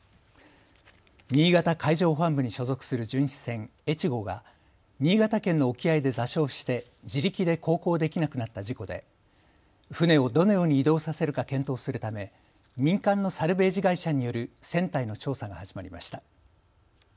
新潟海上保安部に所属する巡視船えちごが新潟県の沖合で座礁して自力で航行できなくなった事故で船をどのように移動させるか検討するため民間のサルベージ会社による船体の調査が始まりました。